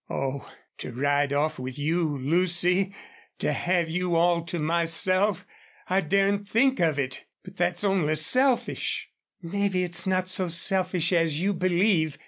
"Oh! to ride off with you, Lucy to have you all to myself I daren't think of it. But that's only selfish." "Maybe it's not so selfish as you believe.